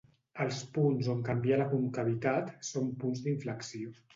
Els Punts on canvia la concavitat són punts d'inflexió.